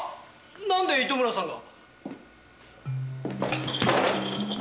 なんで糸村さんが？